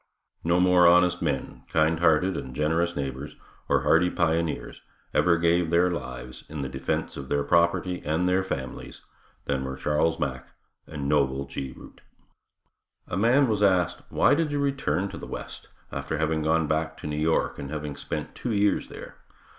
No more honest men, kindhearted and generous neighbors, or hardy pioneers, ever gave their lives in the defense of their property and their families, than were Charles Mack and Noble G. Root. A man was asked, why did you return to the west, after having gone back to New York and having spent two years there?